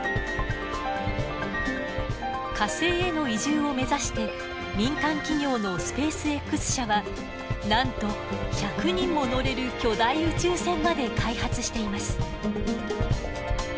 火星への移住を目指して民間企業のスペースＸ社はなんと１００人も乗れる巨大宇宙船まで開発しています。